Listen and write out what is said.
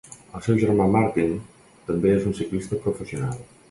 El seu germà Martin, també és un ciclista professional.